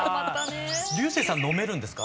彩青さん飲めるんですか？